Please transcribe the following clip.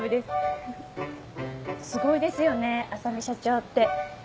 すごいですよね浅海社長って。